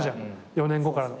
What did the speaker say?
４年後からの。